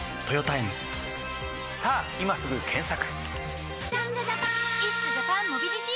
さぁ今すぐ検索！